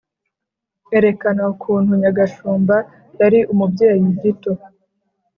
Erekana ukuntu Nyagashumba yari umubyeyi gito